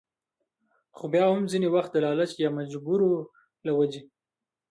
خو بيا هم ځينې وخت د لالچ يا مجبورو له وجې